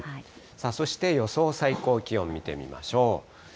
さあ、そして予想最高気温見てみましょう。